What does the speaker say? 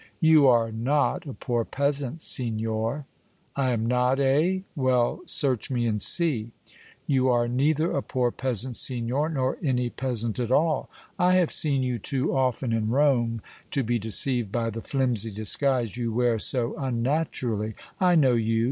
"You are not a poor peasant, signor!" "I am not, eh? Well, search me and see!" "You are neither a poor peasant, signor, nor any peasant at all! I have seen you too often in Rome to be deceived by the flimsy disguise you wear so unnaturally! I know you!